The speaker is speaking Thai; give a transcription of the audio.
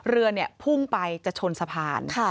เรือเนี่ยพุ่งไปจะชนสะพาน